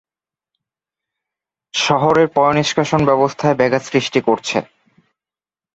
শহরের পয়োনিষ্কাশন ব্যবস্থায় ব্যাঘাত সৃষ্টি করছে।